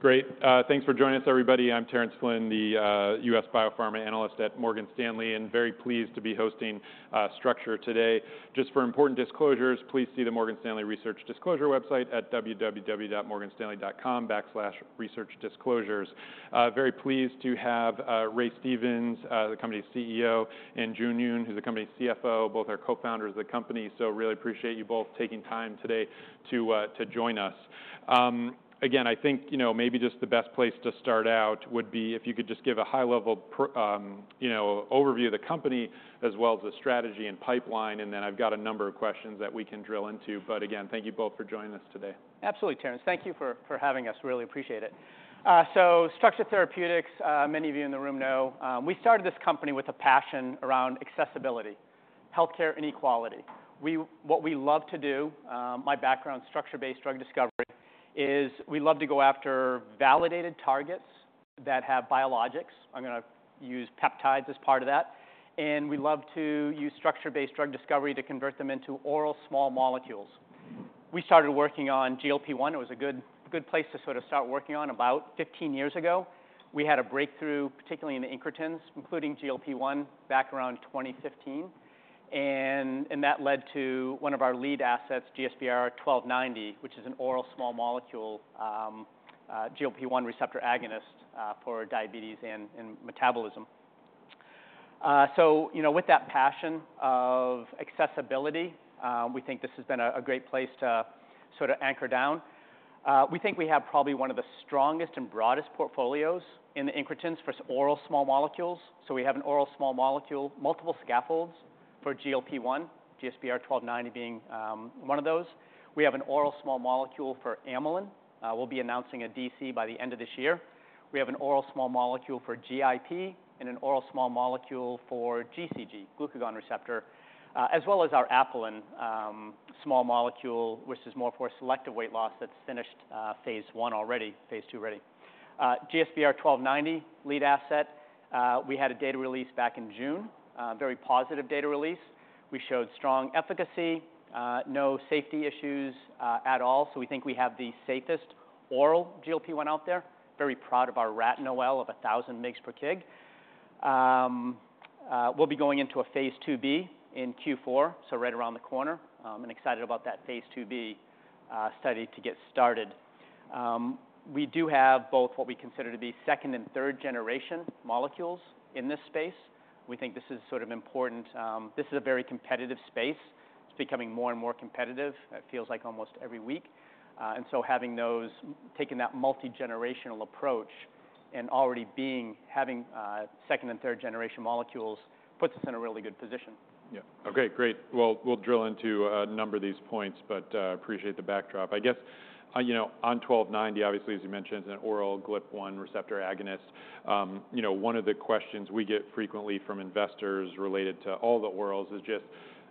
Great. Thanks for joining us, everybody. I'm Terence Flynn, the U.S. Biopharma analyst at Morgan Stanley, and very pleased to be hosting Structure today. Just for important disclosures, please see the Morgan Stanley Research Disclosure website at www.morganstanley.com/researchdisclosures. Very pleased to have Ray Stevens, the company's CEO, and Jun Yoon, who's the company's CFO, both are co-founders of the company. So really appreciate you both taking time today to join us. Again, I think, you know, maybe just the best place to start out would be if you could just give a high-level overview of the company, as well as the strategy and pipeline, and then I've got a number of questions that we can drill into. But again, thank you both for joining us today. Absolutely, Terence. Thank you for, for having us. Really appreciate it. So Structure Therapeutics, many of you in the room know, we started this company with a passion around accessibility, healthcare inequality. We- what we love to do, my background, structure-based drug discovery, is we love to go after validated targets that have biologics. I'm gonna use peptides as part of that, and we love to use structure-based drug discovery to convert them into oral small molecules. We started working on GLP-1, it was a good, good place to sort of start working on, about fifteen years ago. We had a breakthrough, particularly in the incretins, including GLP-1, back around 2015, and, and that led to one of our lead assets, GSBR-1290, which is an oral small molecule, GLP-1 receptor agonist, for diabetes and, and metabolism. So, you know, with that passion of accessibility, we think this has been a great place to sort of anchor down. We think we have probably one of the strongest and broadest portfolios in the incretins for oral small molecules. So we have an oral small molecule, multiple scaffolds for GLP-1, GSBR-1290 being one of those. We have an oral small molecule for amylin. We'll be announcing a DC by the end of this year. We have an oral small molecule for GIP, and an oral small molecule for GCG, glucagon receptor, as well as our apelin small molecule, which is more for selective weight loss, that's finished phase one already, phase two ready. GSBR-1290, lead asset, we had a data release back in June. Very positive data release. We showed strong efficacy, no safety issues, at all, so we think we have the safest oral GLP-1 out there. Very proud of our rat NOEL of a thousand mgs per kg. We'll be going into a phase IIb in Q4, so right around the corner, and excited about that phase IIb study to get started. We do have both what we consider to be second and third generation molecules in this space. We think this is sort of important. This is a very competitive space. It's becoming more and more competitive, it feels like almost every week. And so having those, taking that multi-generational approach and already being, having, second and third generation molecules, puts us in a really good position. Yeah. Okay, great. Well, we'll drill into a number of these points, but appreciate the backdrop. I guess, you know, on 1290, obviously, as you mentioned, an oral GLP-1 receptor agonist. You know, one of the questions we get frequently from investors related to all the orals is just,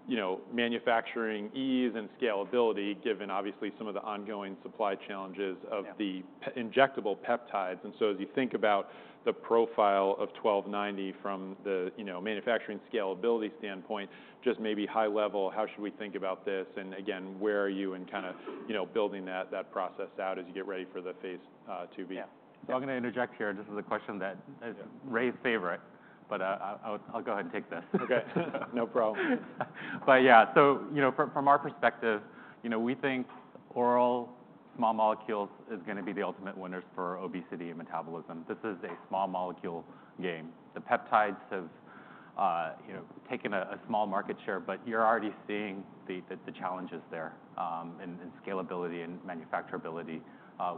you know, manufacturing ease and scalability, given obviously, some of the ongoing supply challenges. Yeah injectable peptides. And so, as you think about the profile of 1290 from the, you know, manufacturing scalability standpoint, just maybe high level, how should we think about this? And again, where are you in kind of, you know, building that process out as you get ready for the phase IIb? Yeah. So I'm gonna interject here. This is a question that is- Yeah -Ray's favorite, but, I'll go ahead and take this. Okay. No problem. But yeah, so, you know, from our perspective, you know, we think oral small molecules is gonna be the ultimate winners for obesity and metabolism. This is a small molecule game. The peptides have, you know, taken a small market share, but you're already seeing the challenges there in scalability and manufacturability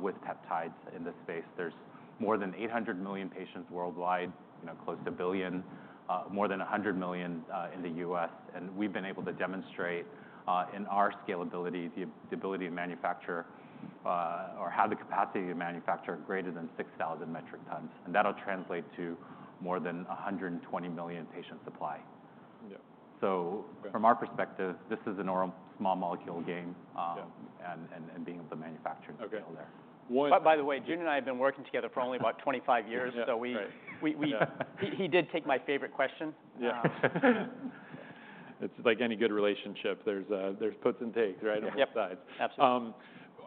with peptides in this space. There's more than 800 million patients worldwide, you know, close to a billion, more than 100 million in the U.S. And we've been able to demonstrate in our scalability, the ability to manufacture or have the capacity to manufacture greater than 6,000 metric tons, and that'll translate to more than 120 million patient supply. Yeah. So- Okay... from our perspective, this is a normal small molecule game. Yeah... and being able to manufacture- Okay the deal there. One- By the way, Jun and I have been working together for only about 25 years. Yeah, right. He did take my favorite question. It's like any good relationship. There's puts and takes, right? Yep. On both sides. Absolutely.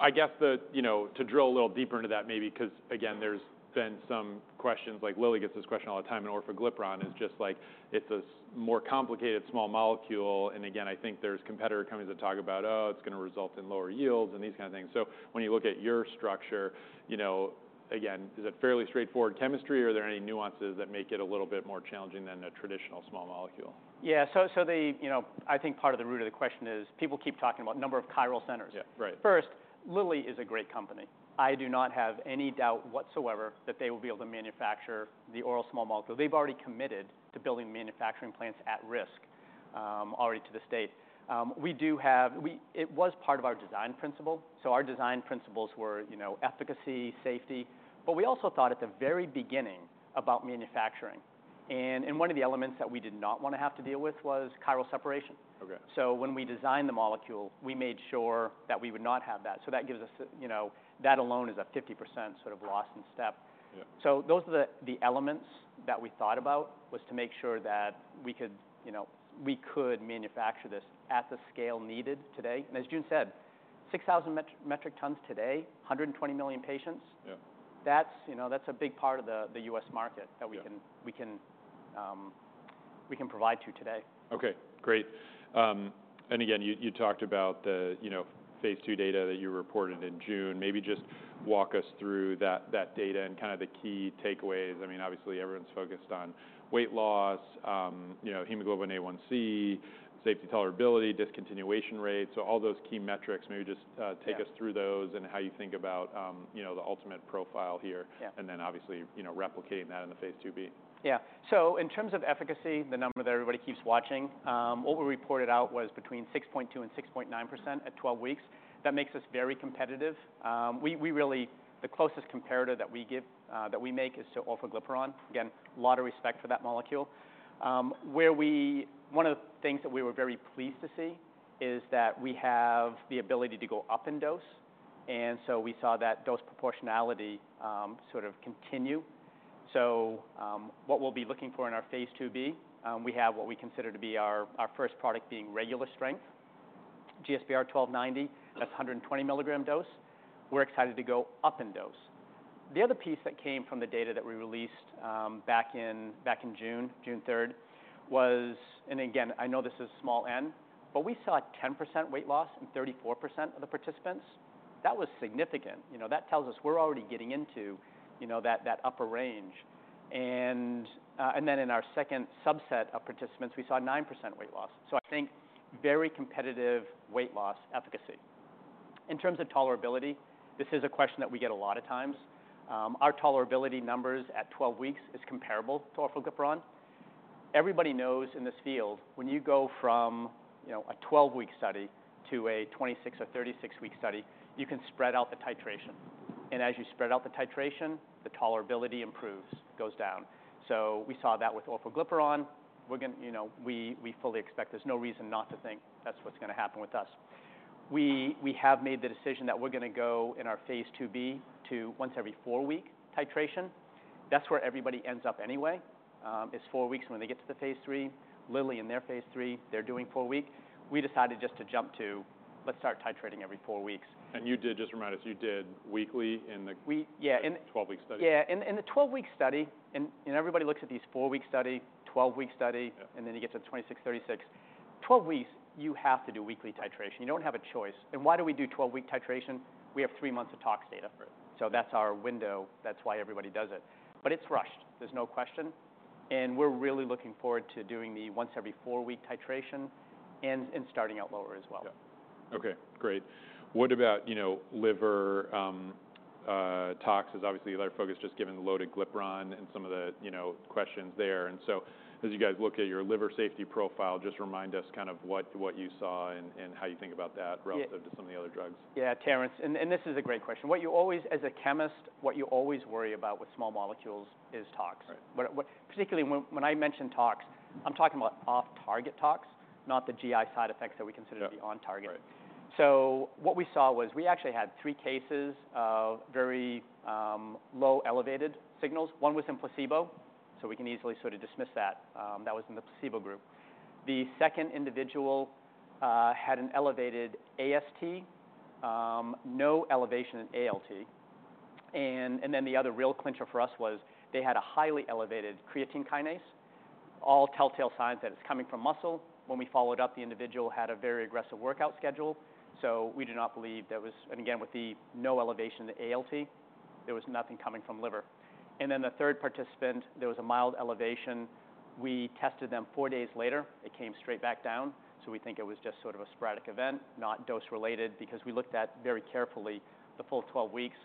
I guess the, you know, to drill a little deeper into that, maybe because, again, there's been some questions, like Lilly gets this question all the time, and Orforglipron is just like it's a more complicated small molecule. And again, I think there's competitor companies that talk about, "Oh, it's gonna result in lower yields," and these kind of things. So when you look at your structure, you know, again, is it fairly straightforward chemistry, or are there any nuances that make it a little bit more challenging than a traditional small molecule? Yeah, so the, you know, I think part of the root of the question is, people keep talking about number of chiral centers. Yeah. Right. First, Lilly is a great company. I do not have any doubt whatsoever that they will be able to manufacture the oral small molecule. They've already committed to building manufacturing plants at risk, already to the state. It was part of our design principle. So our design principles were, you know, efficacy, safety, but we also thought at the very beginning, about manufacturing, and one of the elements that we did not wanna have to deal with was chiral separation. Okay. So when we designed the molecule, we made sure that we would not have that. So that gives us, you know, that alone is a 50% sort of loss in step. So those are the elements that we thought about, was to make sure that we could, you know, we could manufacture this at the scale needed today. And as Jun said, 6,000 metric tons today, 120 million patients. Yeah. That's, you know, that's a big part of the U.S. market- Yeah that we can provide to today. Okay, great. And again, you talked about the, you know, phase 2 data that you reported in June. Maybe just walk us through that data and kind of the key takeaways. I mean, obviously, everyone's focused on weight loss, you know, Hemoglobin A1c, safety, tolerability, discontinuation rate, so all those key metrics, maybe just. Yeah -take us through those and how you think about, you know, the ultimate profile here. Yeah. Obviously, you know, replicating that in the phase IIb. Yeah. So in terms of efficacy, the number that everybody keeps watching, what we reported out was between 6.2% and 6.9% at 12 weeks. That makes us very competitive. The closest comparator that we make is to Orforglipron. Again, a lot of respect for that molecule. One of the things that we were very pleased to see is that we have the ability to go up in dose, and so we saw that dose proportionality sort of continue. So, what we'll be looking for in our phase IIb, we have what we consider to be our first product being regular strength, GSBR-1290, that's a 120 milligram dose. We're excited to go up in dose. The other piece that came from the data that we released, back in June 3rd, was. And again, I know this is small n, but we saw 10% weight loss in 34% of the participants. That was significant. You know, that tells us we're already getting into, you know, that upper range. And then in our second subset of participants, we saw 9% weight loss. So I think very competitive weight loss efficacy. In terms of tolerability, this is a question that we get a lot of times. Our tolerability numbers at twelve weeks is comparable to Orforglipron. Everybody knows in this field, when you go from, you know, a twelve-week study to a twenty-six or thirty-six-week study, you can spread out the titration. And as you spread out the titration, the tolerability improves, goes down. So we saw that with Orforglipron. We're gonna- you know, we, we fully expect there's no reason not to think that's what's gonna happen with us. We, we have made the decision that we're gonna go in our phase IIb to once every four-week titration. That's where everybody ends up anyway, is four weeks. When they get to the phase III, Lilly, in their phase III, they're doing four-week. We decided just to jump to, "Let's start titrating every four weeks. And you did, just remind us, you did weekly in the- Yeah, in- Twelve-week study. Yeah, in the twelve-week study, and everybody looks at these four-week study, twelve-week study. Yeah... and then you get to 26, 36. Twelve weeks, you have to do weekly titration. You don't have a choice. And why do we do 12-week titration? We have three months of tox data first, so that's our window. That's why everybody does it. But it's rushed, there's no question, and we're really looking forward to doing the once every four-week titration and starting out lower as well. Yeah. Okay, great. What about, you know, liver tox is obviously another focus, just given the Orforglipron and some of the, you know, questions there. And so, as you guys look at your liver safety profile, just remind us kind of what you saw and how you think about that- Yeah Relative to some of the other drugs. Yeah, Terence, and this is a great question. What you always, as a chemist, worry about with small molecules is tox. Right. Particularly when I mention tox, I'm talking about off-target tox, not the GI side effects that we consider. Yeah to be on target. Right. So what we saw was, we actually had three cases of very low elevated signals. One was in placebo, so we can easily sort of dismiss that, that was in the placebo group. The second individual had an elevated AST, no elevation in ALT, and then the other real clincher for us was they had a highly elevated creatine kinase, all telltale signs that it's coming from muscle. When we followed up, the individual had a very aggressive workout schedule, so we do not believe there was... And again, with the no elevation in the ALT, there was nothing coming from liver. And then, the third participant, there was a mild elevation. We tested them four days later, it came straight back down, so we think it was just sort of a sporadic event, not dose related. Because we looked at, very carefully, the full twelve weeks,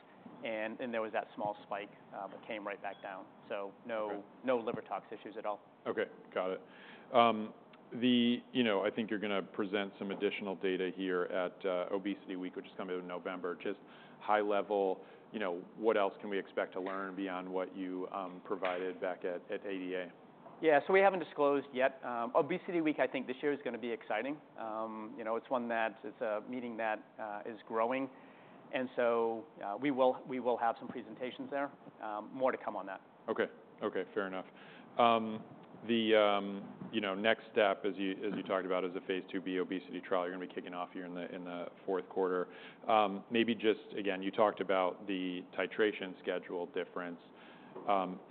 and there was that small spike, but came right back down. So no- Okay... no liver tox issues at all. Okay, got it. You know, I think you're gonna present some additional data here at Obesity Week, which is coming in November. Just high level, you know, what else can we expect to learn beyond what you provided back at ADA? Yeah, so we haven't disclosed yet. Obesity Week, I think this year is gonna be exciting. You know, it's a meeting that is growing, and so we will have some presentations there. More to come on that. Okay. Okay, fair enough. The, you know, next step, as you- Mm-hmm... talked about is the phase IIb obesity trial. You're gonna be kicking off here in the, in the fourth quarter. Maybe just, again, you talked about the titration schedule difference.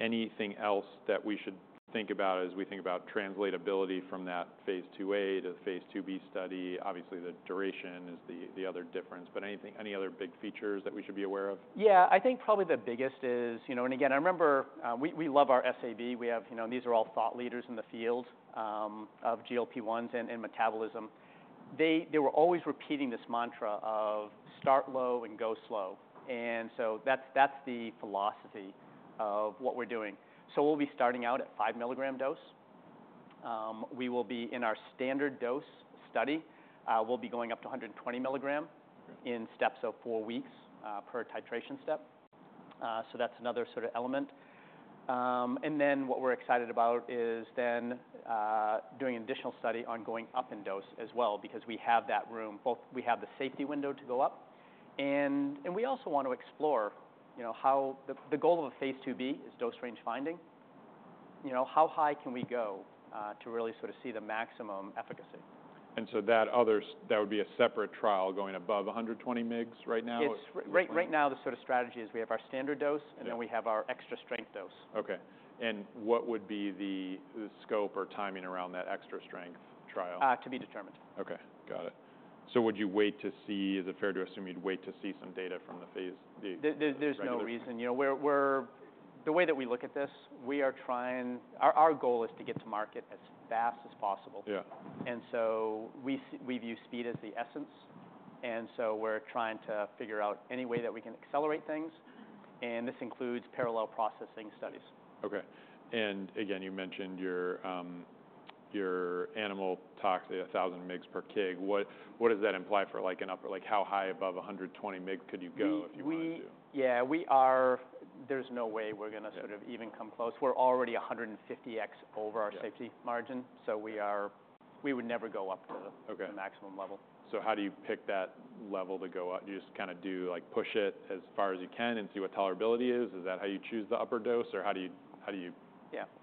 Anything else that we should think about as we think about translatability from that phase IIa to the phase IIb study? Obviously, the duration is the, the other difference, but anything- any other big features that we should be aware of? Yeah, I think probably the biggest is, you know. And again, I remember we love our SAB. You know, these are all thought leaders in the field of GLP-1s and metabolism. They were always repeating this mantra of start low and go slow, and so that's the philosophy of what we're doing. So we'll be starting out at 5 mg dose. We will be in our standard dose study. We'll be going up to 120 mg- Mm-hmm... in steps of four weeks per titration step. So that's another sort of element. And then what we're excited about is then doing additional study on going up in dose as well, because we have that room, both we have the safety window to go up, and we also want to explore, you know, how the goal of a phase IIb is dose range finding. You know, how high can we go to really sort of see the maximum efficacy? And so that would be a separate trial going above one hundred and twenty mgs right now? Right now, the sort of strategy is we have our standard dose- Yeah... and then we have our extra strength dose. Okay. And what would be the scope or timing around that extra-strength trial? To be determined. Okay, got it. So would you wait to see... Is it fair to assume you'd wait to see some data from the phase, the- There's no reason. You know, the way that we look at this, we are trying... Our goal is to get to market as fast as possible. Yeah. And so we view speed as the essence, and so we're trying to figure out any way that we can accelerate things, and this includes parallel processing studies. Okay. And again, you mentioned your animal tox, 1000 mg per kg. What does that imply for, like, an upper-- like, how high above 120 mg could you go if you wanted to? Yeah, we are. There's no way we're gonna- Yeah... sort of even come close. We're already 150x over- Yeah... our safety margin, so we are-- we would never go up to the- Okay... the maximum level. So how do you pick that level to go up? Do you just kind of do, like, push it as far as you can and see what tolerability is? Is that how you choose the upper dose, or how do you, how do you-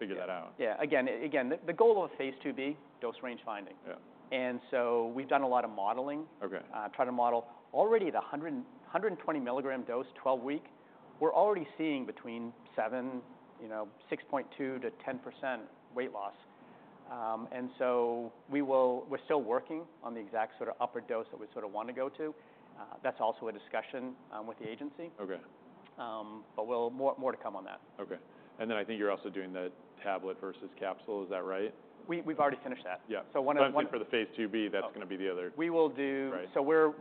Yeah... figure that out? Yeah. Again, the goal of Phase IIb, dose range finding. Yeah. We've done a lot of modeling. Okay. Already, the 120 mg dose, 12-week, we're already seeing between 7, you know, 6.2%-10% weight loss. And so we're still working on the exact sort of upper dose that we sort of want to go to. That's also a discussion with the agency. Okay. More to come on that. Okay, and then I think you're also doing the tablet versus capsule. Is that right? We've already finished that. Yeah. So one of- But for the phase IIb, that's- Okay... gonna be the other. We will do- Right. So we're.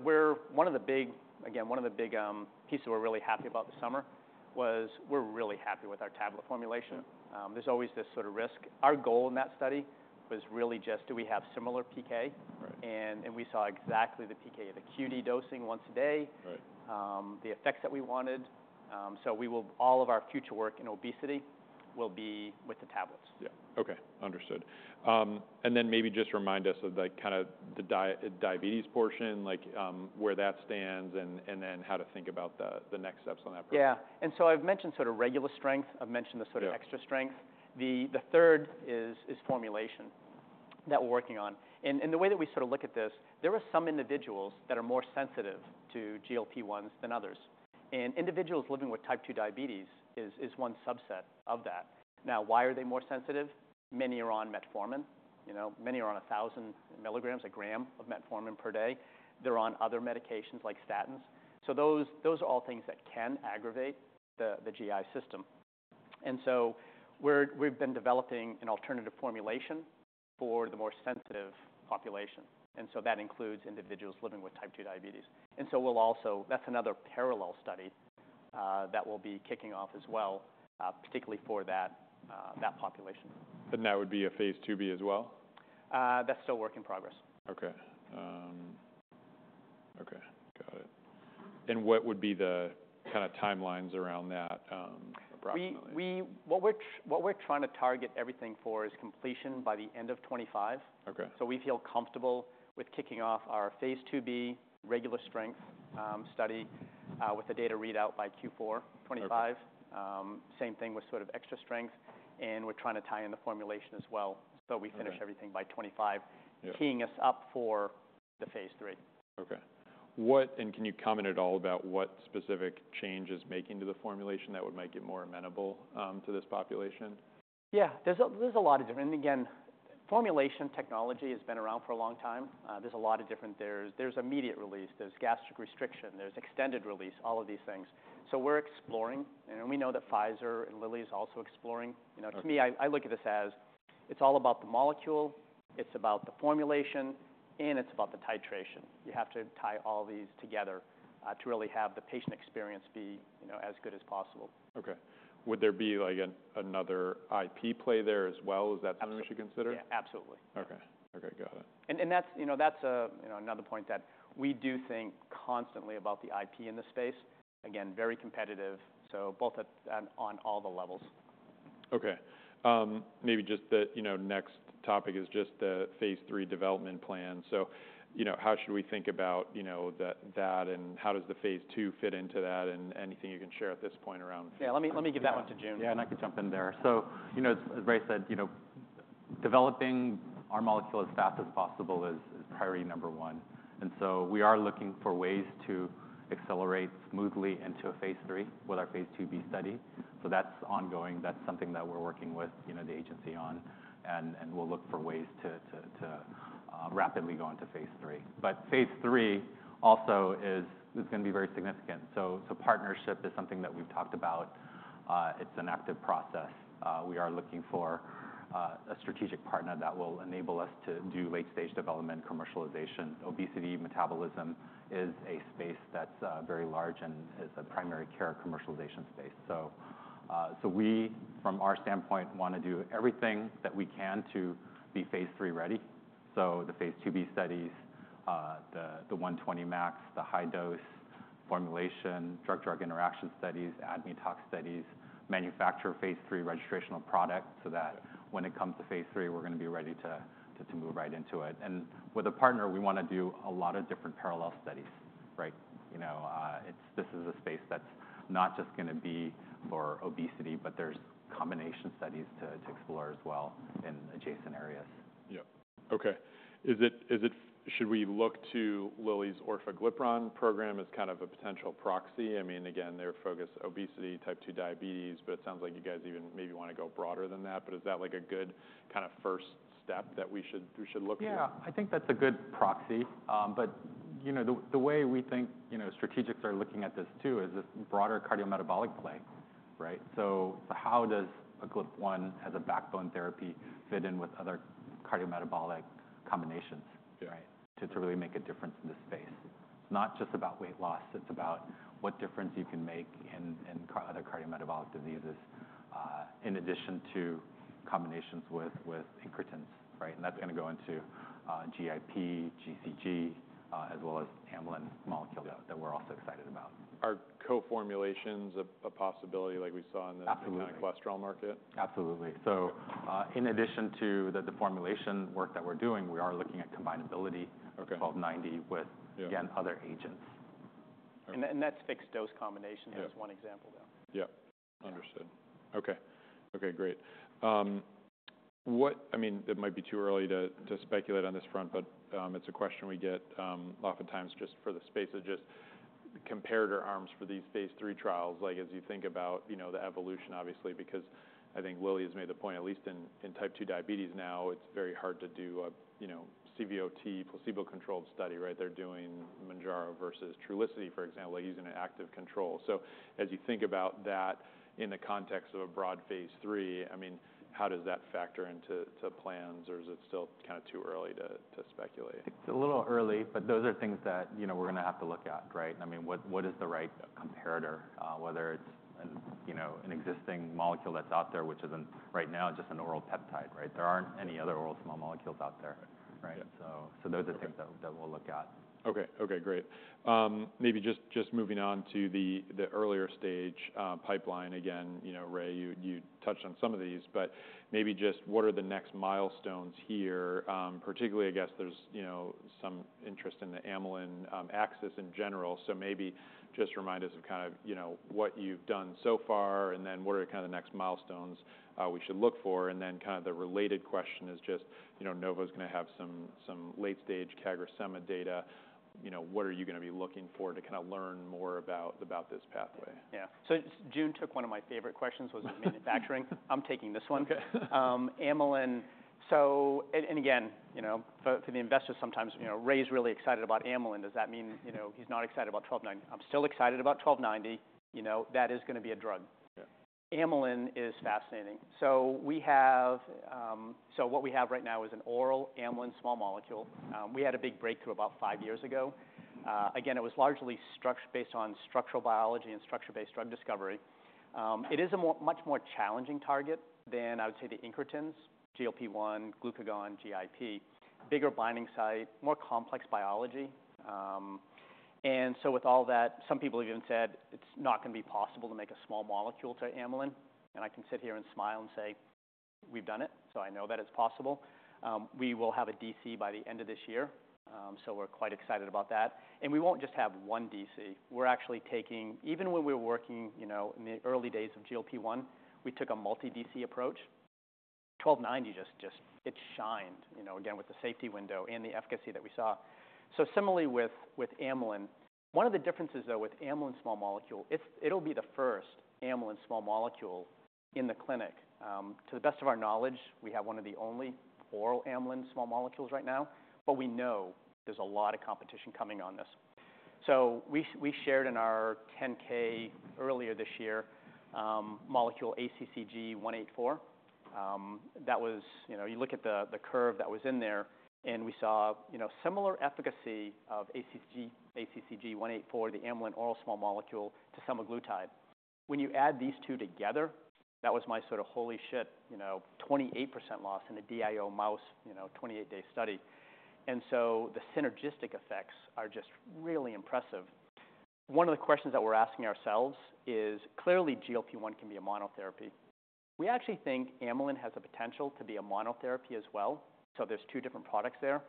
Again, one of the big pieces we're really happy about this summer was we're really happy with our tablet formulation. Yeah. There's always this sort of risk. Our goal in that study was really just: Do we have similar PK? Right. We saw exactly the PK, the QD dosing once a day. Right. The effects that we wanted, so we will all of our future work in obesity will be with the tablets. Yeah. Okay, understood. And then maybe just remind us of, like, kind of the diabetes portion, like, where that stands, and then how to think about the next steps on that part. Yeah. And so I've mentioned sort of regular strength. I've mentioned the- Yeah... sort of extra strength. The third is formulation that we're working on, and the way that we sort of look at this, there are some individuals that are more sensitive to GLP-1s than others, and individuals living with Type 2 diabetes is one subset of that. Now, why are they more sensitive? Many are on metformin. You know, many are on a thousand milligrams, a gram of metformin per day. They're on other medications like statins. So those are all things that can aggravate the GI system. And so we've been developing an alternative formulation for the more sensitive population, and so that includes individuals living with Type 2 diabetes. And so we'll also. That's another parallel study that we'll be kicking off as well, particularly for that population. That would be a phase IIb as well? That's still work in progress. Okay. Okay, got it, and what would be the kinda timelines around that, approximately? What we're trying to target everything for is completion by the end of 2025. Okay. So we feel comfortable with kicking off our phase IIb regular strength study with the data readout by Q4 2025. Okay. Same thing with sort of extra strength, and we're trying to tie in the formulation as well. Okay. So we finish everything by 2025. Yeah... teeing us up for the phase III. Okay. What... And can you comment at all about what specific changes making to the formulation that would make it more amenable to this population? Yeah, there's a lot of different, and again, formulation technology has been around for a long time. There's immediate release, there's gastric restriction, there's extended release, all of these things. So we're exploring, and we know that Pfizer and Lilly is also exploring. Okay. You know, to me, I look at this as it's all about the molecule, it's about the formulation, and it's about the titration. You have to tie all these together, to really have the patient experience be, you know, as good as possible. Okay. Would there be, like, another IP play there as well? Is that- Absolutely... something you should consider? Yeah, absolutely. Okay. Okay, got it. And that's, you know, that's another point that we do think constantly about the IP in this space. Again, very competitive, so both on all the levels. Okay. Maybe just, you know, the next topic is just the phase III development plan. So, you know, how should we think about, you know, that, and how does the phase II fit into that, and anything you can share at this point around- Yeah, let me, let me give that one to Jun. Yeah, and I can jump in there. So, you know, as Ray said, you know, developing our molecule as fast as possible is priority number one, and so we are looking for ways to accelerate smoothly into a phase III with our phase IIb study. So that's ongoing, that's something that we're working with, you know, the agency on, and we'll look for ways to rapidly go into phase III. But phase III also is gonna be very significant. So partnership is something that we've talked about. It's an active process. We are looking for a strategic partner that will enable us to do late-stage development, commercialization. Obesity metabolism is a space that's very large and is a primary care commercialization space. So we, from our standpoint, wanna do everything that we can to be phase III ready. So the phase IIb studies, the one twenty max, the high dose formulation, drug-drug interaction studies, ADME tox studies, manufacture phase III registrational product, so that when it comes to phase III, we're going to be ready to move right into it. And with a partner, we want to do a lot of different parallel studies, right? You know, it's this is a space that's not just going to be for obesity, but there's combination studies to explore as well in adjacent areas. Yep. Okay. Is it? Should we look to Lilly's Orforglipron program as kind of a potential proxy? I mean, again, they're focused obesity, Type 2 diabetes, but it sounds like you guys even maybe want to go broader than that. But is that like a good kind of first step that we should look at? Yeah, I think that's a good proxy. But, you know, the way we think, you know, strategics are looking at this too, is this broader cardiometabolic play, right? So how does a GLP-1, as a backbone therapy, fit in with other cardiometabolic combinations- Yeah Right? To really make a difference in this space. It's not just about weight loss, it's about what difference you can make in other cardiometabolic diseases, in addition to combinations with incretins, right? And that's going to go into GIP, GCG, as well as amylin molecule- Yeah - that we're also excited about. Are co-formulations a possibility like we saw in the- Absolutely Cholesterol market? Absolutely. So, in addition to the formulation work that we're doing, we are looking at combinability- Okay... GSBR-1290 with- Yeah - again, other agents. Okay. That's fixed dose combination. Yeah. That's one example, though. Yeah. Understood. Okay. Okay, great. I mean, it might be too early to speculate on this front, but it's a question we get oftentimes just for the space of just comparator arms for these phase III trials. Like, as you think about, you know, the evolution, obviously, because I think Lilly has made the point, at least in type 2 diabetes now, it's very hard to do a, you know, CVOT, placebo-controlled study, right? They're doing Mounjaro versus Trulicity, for example, using an active control. So as you think about that in the context of a broad phase III, I mean, how does that factor into plans, or is it still kind of too early to speculate? It's a little early, but those are things that, you know, we're going to have to look at, right? I mean, what, what is the right comparator? Whether it's an, you know, an existing molecule that's out there, which isn't right now, just an oral peptide, right? There aren't any other oral small molecules out there, right? Yeah. So, those are things that we'll look at. Okay. Okay, great. Maybe just moving on to the earlier stage pipeline. Again, you know, Ray, you touched on some of these, but maybe just what are the next milestones here? Particularly, I guess there's, you know, some interest in the amylin axis in general. So maybe just remind us of kind of, you know, what you've done so far, and then what are kind of the next milestones we should look for? And then kind of the related question is just, you know, Novo's going to have some late-stage CagriSema data. You know, what are you going to be looking for to kind of learn more about this pathway? Yeah. So Jun took one of my favorite questions, was on manufacturing. I'm taking this one. Okay. Amylin. And again, you know, for the investors, sometimes, you know, Ray's really excited about amylin. Does that mean, you know, he's not excited about twelve ninety? I'm still excited about twelve ninety. You know, that is going to be a drug. Yeah. Amylin is fascinating. So we have, So what we have right now is an oral amylin small molecule. We had a big breakthrough about five years ago. Again, it was largely structure-based on structural biology and structure-based drug discovery. It is a more, much more challenging target than, I would say, the incretins, GLP-1, glucagon, GIP, bigger binding site, more complex biology. And so with all that, some people have even said it's not going to be possible to make a small molecule to amylin, and I can sit here and smile and say, "We've done it," so I know that it's possible. We will have a DC by the end of this year, so we're quite excited about that. And we won't just have one DC. We're actually taking even when we were working, you know, in the early days of GLP-1, we took a multi DC approach. Twelve ninety just it shined, you know, again, with the safety window and the efficacy that we saw. So similarly with amylin. One of the differences, though, with amylin small molecule, it's. It'll be the first amylin small molecule in the clinic. To the best of our knowledge, we have one of the only oral amylin small molecules right now, but we know there's a lot of competition coming on this. So we shared in our 10-K earlier this year, molecule ACCG-184. That was. You know, you look at the curve that was in there, and we saw, you know, similar efficacy of ACCG-184, the amylin oral small molecule, to semaglutide. When you add these two together, that was my sort of holy shit, you know, 28% loss in a DIO mouse, you know, 28-day study. And so the synergistic effects are just really impressive. One of the questions that we're asking ourselves is: clearly, GLP-1 can be a monotherapy. We actually think amylin has the potential to be a monotherapy as well, so there's two different products there.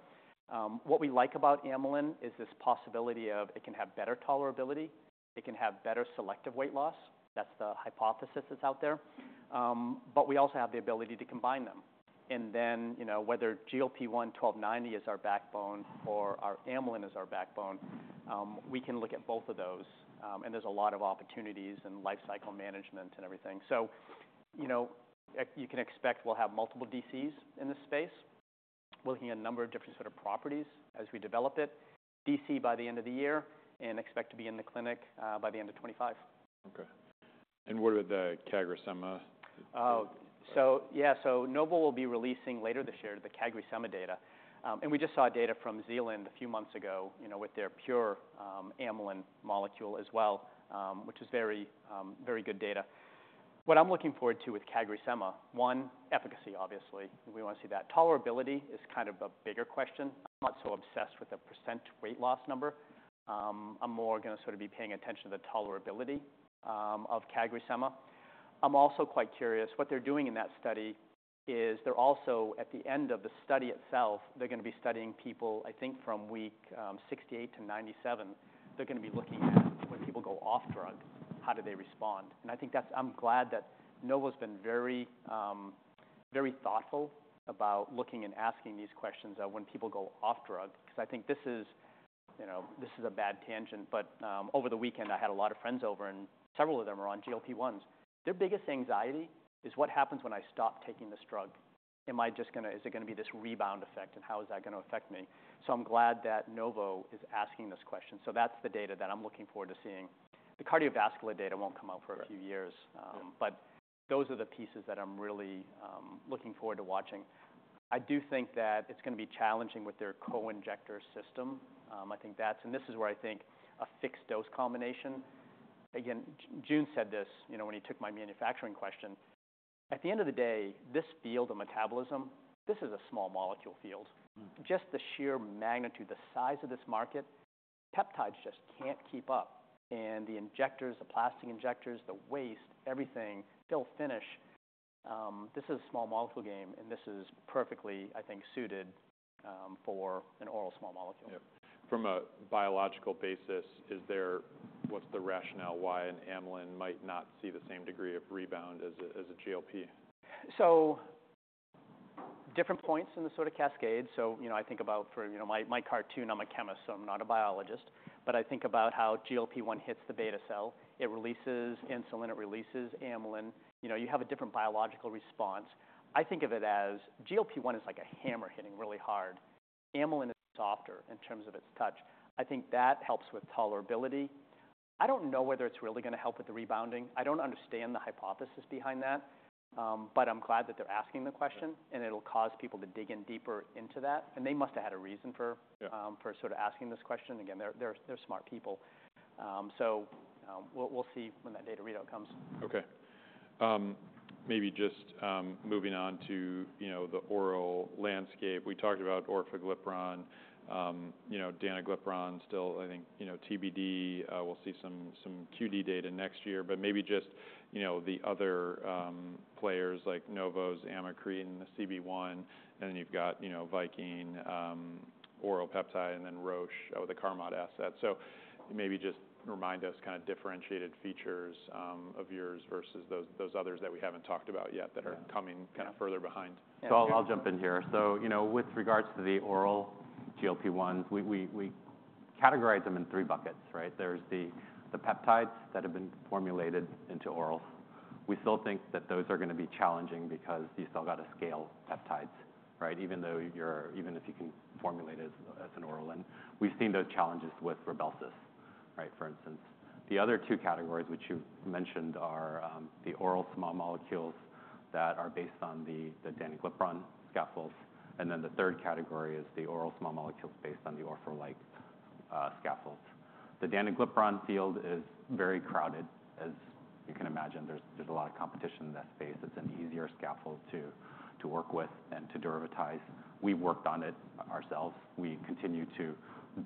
What we like about amylin is this possibility of it can have better tolerability, it can have better selective weight loss. That's the hypothesis that's out there. But we also have the ability to combine them. And then, you know, whether GSBR-1290 is our backbone or our amylin is our backbone, we can look at both of those, and there's a lot of opportunities and lifecycle management and everything. You know, you can expect we'll have multiple DCs in this space, looking at a number of different sort of properties as we develop it. DC by the end of the year and expect to be in the clinic by the end of 2025. Okay. And what are the CagriSema? Yeah, so Novo will be releasing later this year the CagriSema data. And we just saw data from Zealand a few months ago, you know, with their pure amylin molecule as well, which is very, very good data. What I'm looking forward to with CagriSema, one, efficacy, obviously, we want to see that. Tolerability is kind of a bigger question. I'm not so obsessed with the percent weight loss number. I'm more gonna sort of be paying attention to the tolerability of CagriSema. I'm also quite curious. What they're doing in that study is they're also, at the end of the study itself, they're gonna be studying people, I think from week 68-97. They're gonna be looking at when people go off drug, how do they respond? And I think that's. I'm glad that Novo's been very, very thoughtful about looking and asking these questions when people go off drug, 'cause I think this is, you know, this is a bad tangent, but over the weekend, I had a lot of friends over, and several of them are on GLP-1s. Their biggest anxiety is: what happens when I stop taking this drug? Is it gonna be this rebound effect, and how is that gonna affect me? So I'm glad that Novo is asking this question. So that's the data that I'm looking forward to seeing. The cardiovascular data won't come out for a few years. Right. But those are the pieces that I'm really looking forward to watching. I do think that it's gonna be challenging with their co-injector system. I think that's. And this is where I think a fixed-dose combination. Again, Jun said this, you know, when he took my manufacturing question. At the end of the day, this field of metabolism, this is a small molecule field. Mm. Just the sheer magnitude, the size of this market, peptides just can't keep up. And the injectors, the plastic injectors, the waste, everything, fill, finish, this is a small molecule game, and this is perfectly, I think, suited, for an oral small molecule. Yep. From a biological basis, is there-- what's the rationale why an amylin might not see the same degree of rebound as a, as a GLP? So different points in the sort of cascade. So, you know, I think about for, you know, my cartoon, I'm a chemist, so I'm not a biologist, but I think about how GLP-1 hits the beta cell. It releases insulin, it releases amylin. You know, you have a different biological response. I think of it as GLP-1 is like a hammer hitting really hard. Amylin is softer in terms of its touch. I think that helps with tolerability. I don't know whether it's really gonna help with the rebounding. I don't understand the hypothesis behind that, but I'm glad that they're asking the question, and it'll cause people to dig in deeper into that. And they must have had a reason for- Yeah... for sort of asking this question. Again, they're smart people, so we'll see when that data readout comes. Okay. Maybe just moving on to, you know, the oral landscape. We talked about Orforglipron, you know, Danoglipron still, I think, you know, TBD. We'll see some QD data next year, but maybe just, you know, the other players like Novo's Amicretin, the CB1, and then you've got, you know, Viking, Oral Peptide, and then Roche with the Carmot asset. So maybe just remind us kind of differentiated features of yours versus those others that we haven't talked about yet that are coming- Yeah... kind of further behind. I'll jump in here. You know, with regards to the oral GLP-1s, we categorize them in three buckets, right? There's the peptides that have been formulated into oral. We still think that those are gonna be challenging because you've still got to scale peptides, right? Even if you can formulate it as an oral. We've seen those challenges with Rybelsus, right, for instance. The other two categories, which you mentioned, are the oral small molecules that are based on the Danoglipron scaffolds, and then the third category is the oral small molecules based on the Orforglipron-like scaffolds. The Danoglipron field is very crowded, as you can imagine. There's a lot of competition in that space. It's an easier scaffold to work with and to derivatize. We've worked on it ourselves. We continue to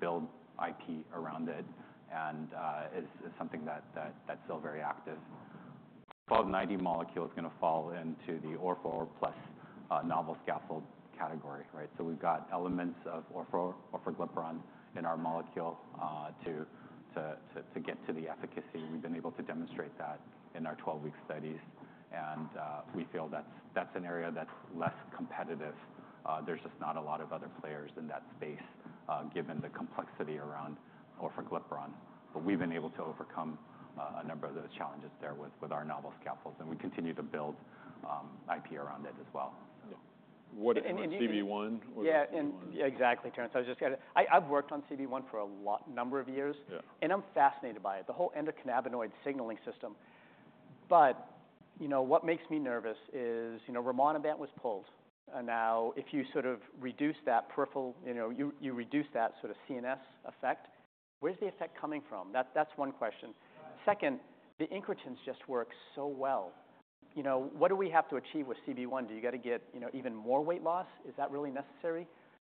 build IP around it, and it's something that that's still very active. Twelve ninety molecule is gonna fall into the Orforglipron plus novel scaffold category, right? So we've got elements of Orforglipron in our molecule to get to the efficacy. We've been able to demonstrate that in our twelve-week studies, and we feel that's an area that's less competitive. There's just not a lot of other players in that space given the complexity around Orforglipron. But we've been able to overcome a number of those challenges there with our novel scaffolds, and we continue to build IP around it as well. Yeah. What is CB1? Yeah, and exactly, Terence. I was just gonna... I- I've worked on CB1 for a lot, number of years. Yeah. And I'm fascinated by it, the whole endocannabinoid signaling system. But, you know, what makes me nervous is, you know, Rimonabant was pulled, and now if you sort of reduce that peripheral, you know, you reduce that sort of CNS effect, where's the effect coming from? That's one question. Second, the incretins just work so well. You know, what do we have to achieve with CB-1? Do you gotta get, you know, even more weight loss? Is that really necessary?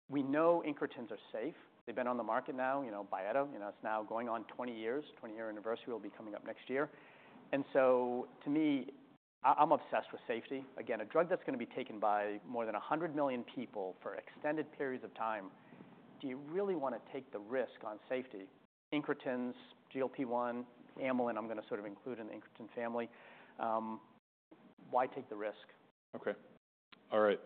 We know incretins are safe. They've been on the market now, you know, Byetta, you know, it's now going on twenty years. Twenty-year anniversary will be coming up next year. And so, to me, I'm obsessed with safety. Again, a drug that's gonna be taken by more than a 100 million people for extended periods of time, do you really wanna take the risk on safety? Incretins, GLP-1, amylin, I'm gonna sort of include in the incretin family. Why take the risk? Okay. All right,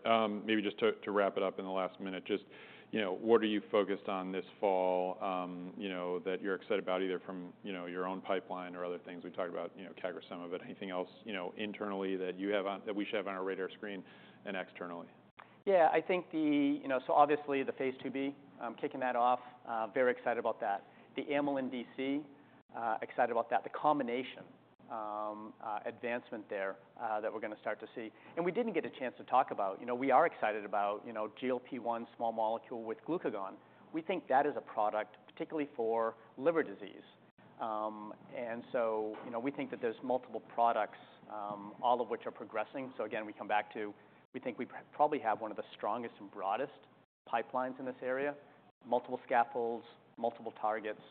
maybe just to wrap it up in the last minute, just, you know, what are you focused on this fall, you know, that you're excited about, either from, you know, your own pipeline or other things? We talked about, you know, CagriSema, but anything else, you know, internally that you have on-- that we should have on our radar screen and externally? Yeah, I think the. You know, so obviously, the phase IIb, I'm kicking that off. Very excited about that. The amylin DC, excited about that. The combination advancement there that we're gonna start to see, and we didn't get a chance to talk about. You know, we are excited about, you know, GLP-1 small molecule with glucagon. We think that is a product, particularly for liver disease. And so, you know, we think that there's multiple products, all of which are progressing. So again, we come back to, we think we probably have one of the strongest and broadest pipelines in this area. Multiple scaffolds, multiple targets,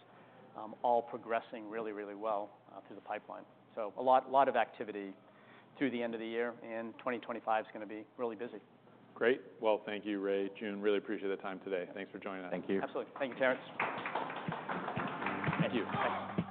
all progressing really, really well through the pipeline. So a lot, a lot of activity through the end of the year, and twenty twenty-five is gonna be really busy. Great! Well, thank you, Ray, Jun, really appreciate the time today. Thanks for joining us. Thank you. Absolutely. Thank you, Terence. Thank you.